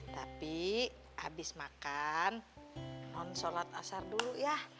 tapi habis makan mohon sholat asar dulu ya